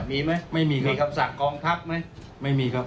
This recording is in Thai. มีไหมไม่มีมีคำสั่งกองพักไหมไม่มีครับ